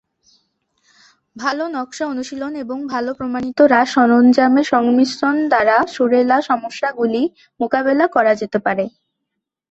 ভাল নকশা অনুশীলন এবং ভাল প্রমাণিত হ্রাস সরঞ্জামের সংমিশ্রণ দ্বারা সুরেলা সমস্যাগুলি মোকাবেলা করা যেতে পারে।